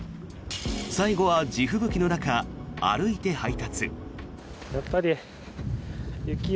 最後は地吹雪の中、歩いて配達。